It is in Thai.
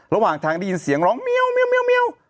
ระหว่างทางได้ยินเสียงร้องเมียว